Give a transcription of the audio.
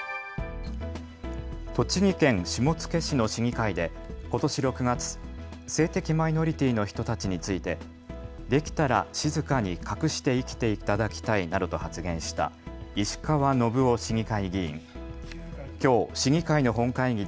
栃木県下野市の市議会でことし６月、性的マイノリティーの人たちについて、できたら静かに隠して生きていただきたいなどと発言した石川信夫市議会議員。